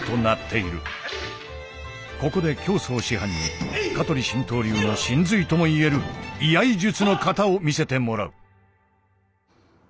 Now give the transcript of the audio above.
ここで京増師範に香取神道流の神髄ともいえる居合術の型を見せてもらう。